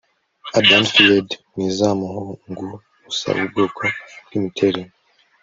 A dandified mwizaumuhunguusa ubwoko bwimiterere